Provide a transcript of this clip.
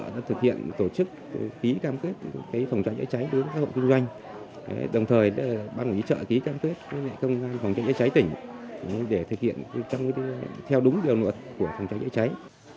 để thực hiện theo đúng điều luật của phòng cháy chữa cháy